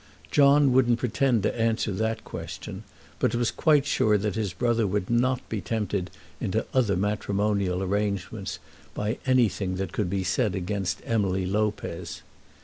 John wouldn't pretend to answer that question, but was quite sure that his brother would not be tempted into other matrimonial arrangements by anything that could be said against Emily Lopez.